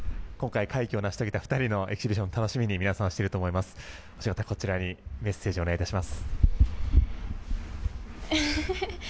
今回、快挙を成し遂げた２人のエキシビション皆さん楽しみにしていると思います。